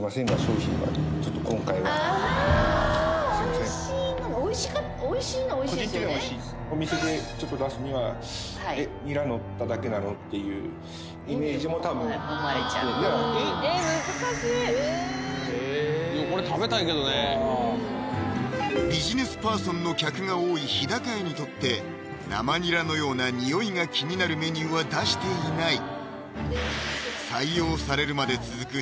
個人的には美味しいお店でちょっと出すには「えっニラのっただけなの？」っていうイメージも多分思われちゃうビジネスパーソンの客が多い日高屋にとって生ニラのような匂いが気になるメニューは出していない採用されるまで続く